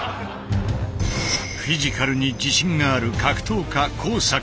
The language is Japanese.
フィジカルに自信がある格闘家阪。